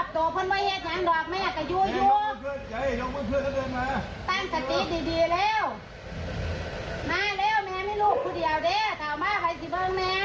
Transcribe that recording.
โดยไม่ว่าจะเงินหรอกไม่ว่าจะหลอกแม่แกระยู